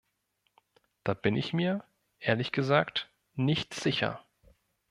Da bin ich mir, ehrlich gesagt, nicht sicher.